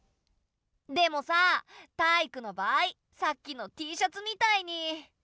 でもさタイイクの場合さっきのＴシャツみたいに。